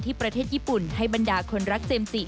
ประเทศญี่ปุ่นให้บรรดาคนรักเจมส์จิ